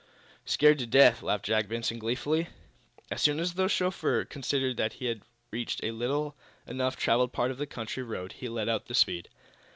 "Scared to death," laughed Jack Benson, gleefully. As soon as the chauffeur considered that he had reached a little enough traveled part of the country road he let out the speed.